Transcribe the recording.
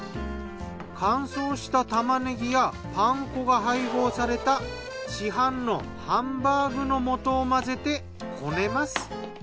乾燥したタマネギやパン粉が配合された市販のハンバーグの素を混ぜてこねます。